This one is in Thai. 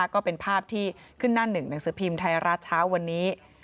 ก็เป็นภาพที่ขึ้นหน้าหนึ่งหนังสือพิมพ์ไทยรัฐเช้าวันนี้